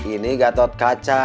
ini gatot kaca